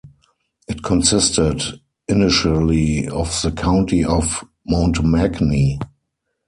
It consisted initially of the County of Montmagny.